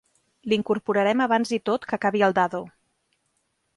L'incorporarem abans i tot que acabi el Dado.